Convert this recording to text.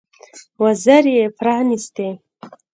وزرې يې پرانيستې.